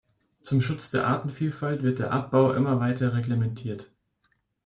Zum Schutz der Artenvielfalt wird der Abbau immer weiter reglementiert.